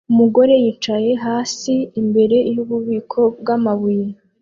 Umugore yicaye hasi imbere yububiko bwamabuye